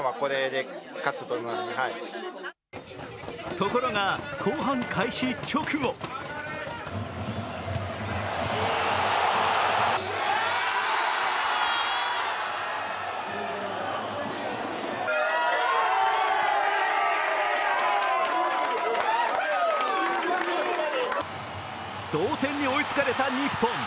ところが、後半開始直後同点に追いつかれた日本。